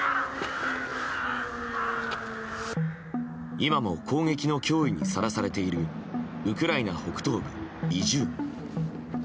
今も攻撃の脅威にさらされているウクライナ北東部イジューム。